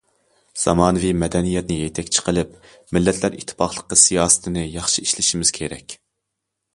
زامانىۋى مەدەنىيەتنى يېتەكچى قىلىپ، مىللەتلەر ئىتتىپاقلىقى سىياسىتىنى ياخشى ئىشلىشىمىز كېرەك.